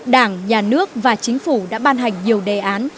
đảng nhà nước và chính phủ đã ban hành nhiều đề án